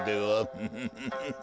・フフフフフ。